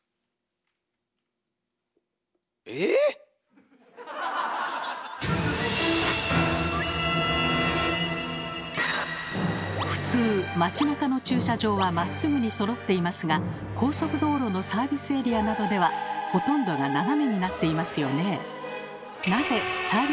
えぇ⁉普通街なかの駐車場はまっすぐにそろっていますが高速道路のサービスエリアなどではほとんどが斜めになっていますよね。